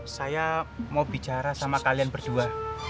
saya mau bicara sama kalian berdua